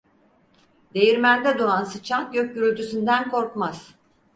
Değirmende doğan sıçan gök gürültüsünden korkmaz.